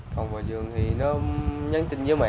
không vào giường thì nó nhắn tin với mẹ